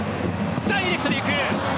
ダイレクトで行く！